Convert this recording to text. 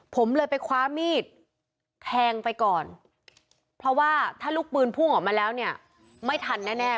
ผมเลยไปคว้ามีดแทงไปก่อนเพราะว่าถ้าลูกปืนพุ่งออกมาแล้วเนี่ยไม่ทันแน่